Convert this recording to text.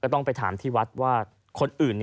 ต้องไปถามที่วัดว่าคนอื่น